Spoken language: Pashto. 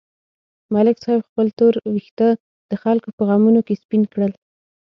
ملک صاحب خپل تور وېښته د خلکو په غمونو کې سپین کړل.